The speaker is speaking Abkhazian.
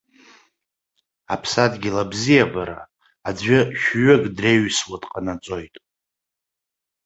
Аԥсадгьыл абзиабара, аӡәы шәҩык дреҩсуа дҟанаҵоит!